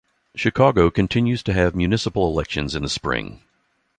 Chicago continues to have municipal elections in the spring.